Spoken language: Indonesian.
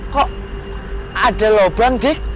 kok ada loban dik